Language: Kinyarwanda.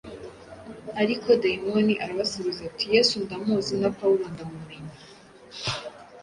Ariko dayimoni arabasubiza ati: “Yesu ndamuzi, na Pawulo ndamumenye,